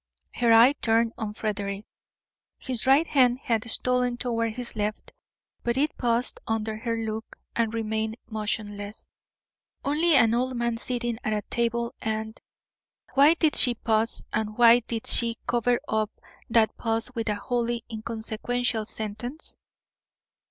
Her eye turned on Frederick. His right hand had stolen toward his left, but it paused under her look and remained motionless. "Only an old man sitting at a table and " Why did she pause, and why did she cover up that pause with a wholly inconsequential sentence?